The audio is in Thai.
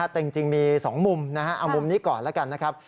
แต่จริงมี๒มุมนะฮะเอามุมนี้ก่อนแล้วกันนะครับ